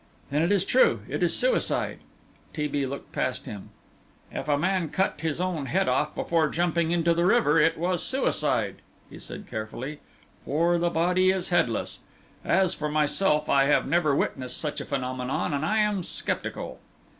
"Then it is true! It is suicide?" T. B. looked past him. "If a man cut his own head off before jumping into the river, it was suicide," he said carefully, "for the body is headless. As for myself, I have never witnessed such a phenomenon, and I am sceptical."